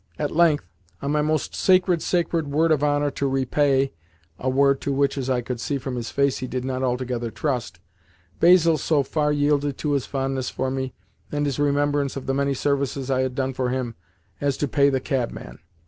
At length, on my most sacred, sacred word of honour to repay (a word to which, as I could see from his face, he did not altogether trust), Basil so far yielded to his fondness for me and his remembrance of the many services I had done him as to pay the cabman.